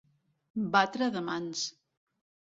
Batre de mans.